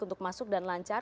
untuk masuk dan lancar